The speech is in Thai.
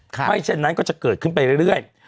เพราะฉะนั้นก็จะเกิดขึ้นไปเรื่อย